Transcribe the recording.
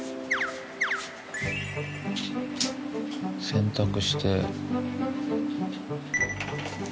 洗濯して。